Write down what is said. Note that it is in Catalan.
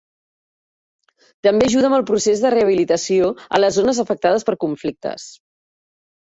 També ajuda amb el procés de rehabilitació a les zones afectades per conflictes.